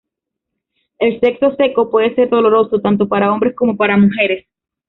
El sexo seco puede ser doloroso tanto para hombres como para mujeres.